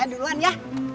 saya duluan ya